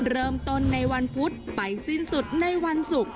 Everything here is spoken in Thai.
เริ่มต้นในวันพุธไปสิ้นสุดในวันศุกร์